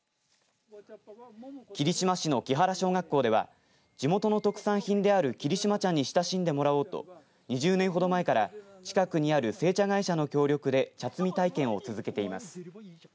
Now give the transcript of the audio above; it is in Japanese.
霧島市の木原小学校では地元の特産品である霧島茶に親しんでもらおうと２０年ほど前から近くにある製茶会社の協力で茶摘み体験を続けています。